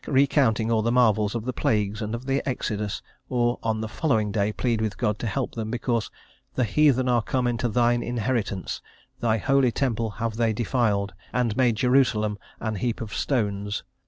recounting all the marvels of the plagues and of the exodus, or on the following day plead with God to help them, because "the heathen are come into Thine inheritance; Thy holy temple have they defiled, and made Jerusalem an heap of stones?"